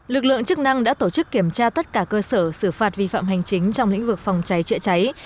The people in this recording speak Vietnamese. lực lượng chức năng đã tổ chức kiểm tra tất cả cơ sở xử phạt vi phạm hành chính trong lĩnh vực phòng cháy chữa cháy